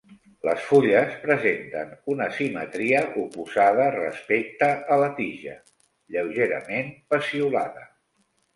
Les fulles presenten una simetria oposada respecte a la tija; lleugerament peciolada.